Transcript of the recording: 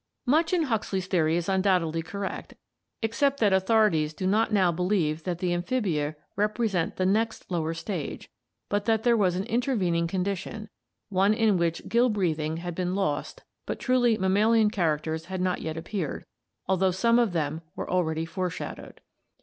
Much in Huxley's theory is undoubtedly correct, except that authorities do not now believe that the amphibia represent the next lower stage, but that there was an intervening condition, one in which gill breathing had been lost but truly mammalian char acters had not yet appeared, although some of them were already foreshadowed.